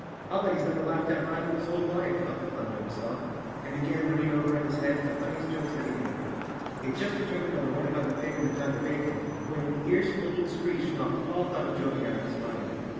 "I'll bet he's never laughed out loud in his whole life," thought the clown to himself, and began running over in his head the funniest jokes that he knew. He had just de¬ termined on the one about the pig and the pound of bacon, when an ear splitting screech knocked all thought of joking out of his mind.